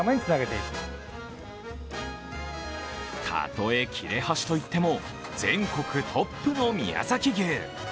たとえ、切れ端といっても全国トップの宮崎牛。